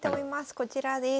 こちらです。